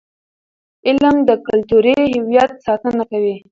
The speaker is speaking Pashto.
علم د کلتوري هویت ساتنه کوي.